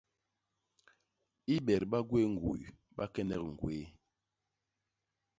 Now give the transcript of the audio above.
I bet ba gwéé ñguy, ba kenek ñgwéé.